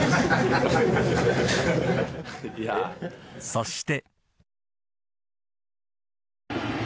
そして。